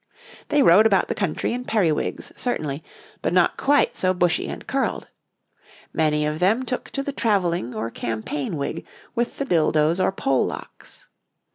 They rode about the country in periwigs, certainly, but not quite so bushy and curled; many of them took to the travelling or campaign wig with the dildos or pole locks.